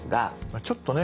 ちょっとね